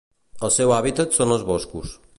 El seu hàbitat són els boscos.